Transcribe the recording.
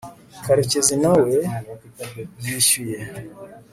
karekezi nawe yishyuye